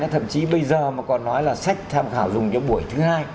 thậm chí bây giờ mà còn nói là sách tham khảo dùng cho buổi thứ hai